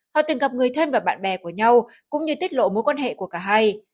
họ từng gặp người thân và bạn bè của nhau cũng như tiết lộ mối quan hệ của cả hai